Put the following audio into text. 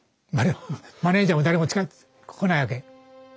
マネージャーも誰も来ないわけ。